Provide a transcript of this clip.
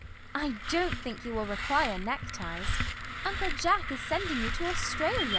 I don't think you will require neckties. Uncle Jack is sending you to Australia.